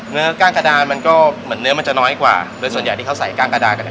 กล้างกระดานมันก็เหมือนเนื้อมันจะน้อยกว่าโดยส่วนใหญ่ที่เขาใส่กล้างกระดานกระเที